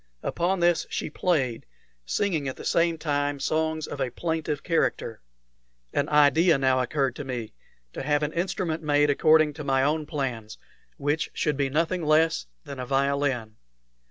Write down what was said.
Upon this she played, singing at the same time some songs of a plaintive character. An idea now occurred to me to have an instrument made according to my own plans, which should be nothing less than a violin.